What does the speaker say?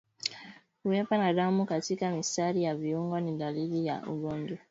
Kuwepa na damu katika mistari ya viungo ni dalili ya ugonjwa